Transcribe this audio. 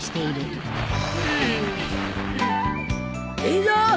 いいぞ。